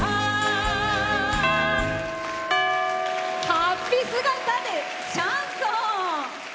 はっぴ姿でシャンソン！